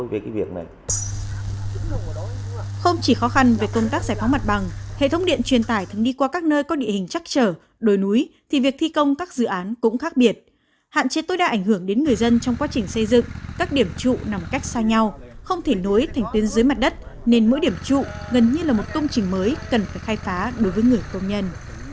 việc giải phóng mặt bằng hệ thống điện truyền tài thường đi qua các nơi có địa hình chắc trở đồi núi thì việc thi công các dự án cũng khác biệt hạn chế tối đa ảnh hưởng đến người dân trong quá trình xây dựng các điểm trụ nằm cách xa nhau không thể nối thành tuyến dưới mặt đất nên mỗi điểm trụ gần như là một công trình mới cần phải khai phá đối với người công nhân